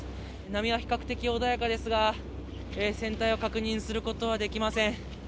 波は比較的穏やかですが、船体を確認することはできません。